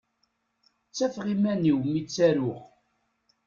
Ttafeɣ iman-iw mi ttaruɣ.